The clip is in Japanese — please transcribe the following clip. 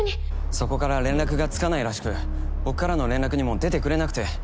そこから連絡がつかないらしく僕からの連絡にも出てくれなくて。